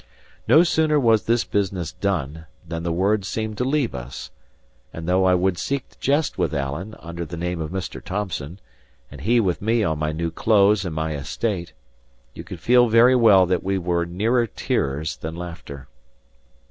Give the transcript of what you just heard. No sooner was this business done, than the words seemed to leave us; and though I would seek to jest with Alan under the name of Mr. Thomson, and he with me on my new clothes and my estate, you could feel very well that we were nearer tears than laughter.